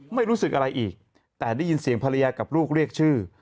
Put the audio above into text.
ไม่รู้สึกอะไรอีกแต่ได้ยินเสียงภรรยากับลูกเรียกชื่อ